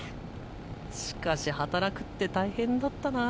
しかし働くって大変だったな。